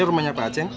ini rumahnya pak ceng